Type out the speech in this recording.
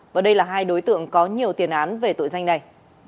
và đây là hai đối tượng có nhiều tiền án về tội danh này